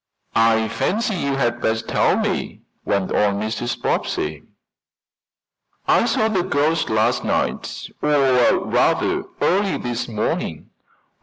"I fancy you had best tell me," went on Mrs. Bobbsey. "I saw the ghost last night or rather, early this morning."